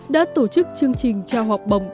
đã tổ chức chương trình trao học bổng